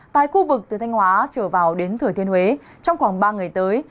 tại khu vực từ thanh hóa trở vào đến thừa thiên huế trong khoảng ba ngày tới